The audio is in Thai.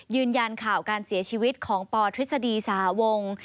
ยืนยันข่าวการเสียชีวิตของปทฤษฎีสหวง